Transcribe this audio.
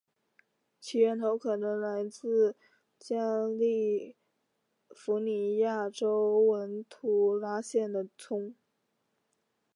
其源头可能来自加利福尼亚州文图拉县的葱。